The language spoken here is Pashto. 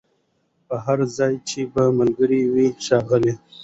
پر هر ځای چي به ملګري وه ښاغلي